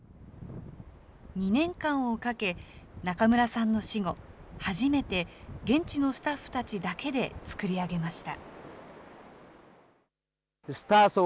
２年間をかけ、中村さんの死後、初めて現地のスタッフだけで作り上げました。